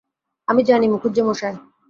আমি জানি মুখুজ্যেমশায়।